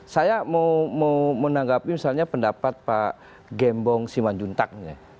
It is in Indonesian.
saya mau menanggapi misalnya pendapat pak gembong simanjuntak